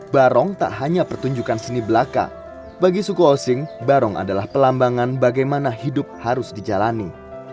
barong tak hanya pertunjukan seni belaka bagi suku osing barong adalah pelambangan bagaimana hidup harus dijalani